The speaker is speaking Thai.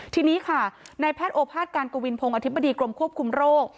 ทีนี้ค่ะในแพทย์โอภาษการกวินพงศ์อธิบดีกรมควบคุมโรค